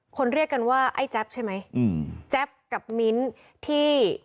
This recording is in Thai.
เรียกกันว่าไอ้แจ๊บใช่ไหมอืมแจ๊บกับมิ้นที่